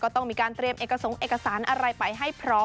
ก็ต้องมีการเตรียมเอกสารอะไรไปให้พร้อม